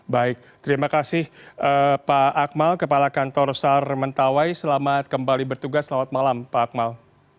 baik terima kasih pak akmal kepala kantor sar mentawai selamat kembali bertugas selamat malam pak akmal